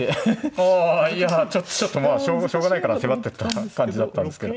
あいやちょっとまあしょうがないから迫ってった感じだったんですけど。